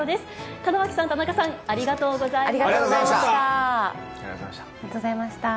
門脇さん、田中さん、ありがとうありがとうございました。